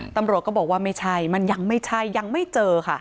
ตำรวจก็บอกว่าไม่ใช่มันยังไม่ใช่ยังไม่เจอค่ะ